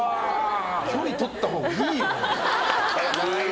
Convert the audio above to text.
距離とったほうがいいよ。